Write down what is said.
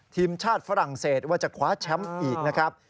ทีมชาติฝรั่งเศสว่าจะคว้าแชมป์อีกนะครับ